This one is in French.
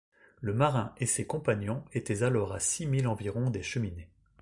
Le marin et ses compagnons étaient alors à six milles environ des Cheminées.